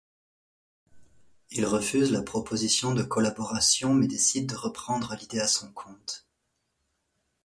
Il refuse la proposition de collaboration mais décide de reprendre l'idée à son compte.